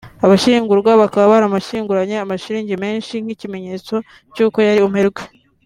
Ashyingurwa bakaba baramushyinguranye amashiringi menshi nk’ikimenyetso cyuko yari umuherwe